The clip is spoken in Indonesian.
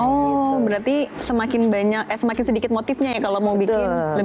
oh berarti semakin banyak eh semakin sedikit motifnya ya kalau mau bikin lebih